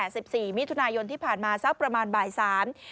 สิบสี่มิถุนายนที่ผ่านมาสักประมาณบ่ายสาม